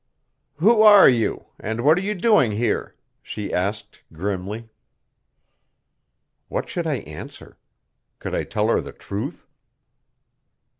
"Who are you, and what are you doing here?" she asked grimly. What should I answer? Could I tell her the truth?